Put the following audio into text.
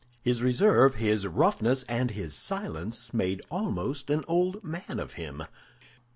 His reserve, his roughness, and his silence made almost an old man of him.